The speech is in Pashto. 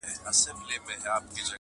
o دنيا په اميد خوړل کېږي.